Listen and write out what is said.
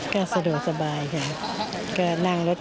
ก็ซึมมาก